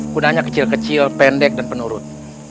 gunanya kecil kecil pendek dan penurut